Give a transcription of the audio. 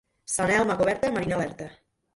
Sant Elm a coberta, mariner alerta.